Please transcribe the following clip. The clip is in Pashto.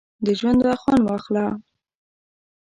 د ژونده خوند واخله!